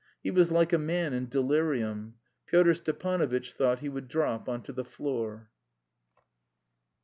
He was like a man in delirium. Pyotr Stepanovitch thought he would drop on to the floor.